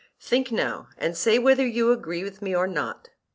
Think, now, and say whether you agree with me or not.